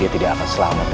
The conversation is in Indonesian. dia tidak akan meray wennya